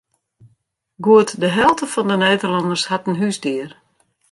Goed de helte fan de Nederlanners hat in húsdier.